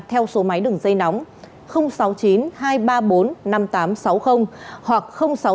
theo số máy đường dây nóng sáu mươi chín hai trăm ba mươi bốn năm nghìn tám trăm sáu mươi hoặc sáu mươi chín hai trăm ba mươi hai một nghìn sáu trăm sáu mươi